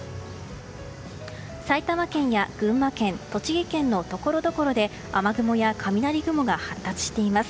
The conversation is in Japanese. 埼玉県や群馬県、栃木県のところどころで雨雲や雷雲が発達しています。